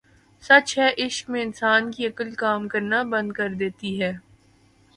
سچ ہے عشق میں انسان کی عقل کام کرنا بند کر دیتی ہے